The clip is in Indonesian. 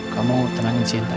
kamu tenangin sinta ya